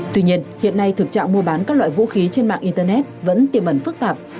tuy nhiên hiện nay thực trạng mua bán các loại vũ khí trên mạng internet vẫn tiềm ẩn phức tạp